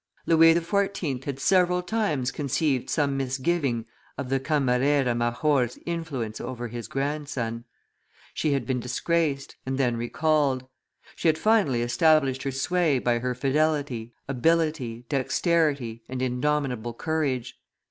Louis XIV. had several times conceived some misgiving of the camarera major's influence over his grandson; she had been disgraced, and then recalled; she had finally established her sway by her fidelity, ability, dexterity, and indomitable courage.